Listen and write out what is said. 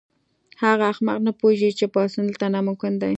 هغه احمق نه پوهیږي چې پاڅون دلته ناممکن دی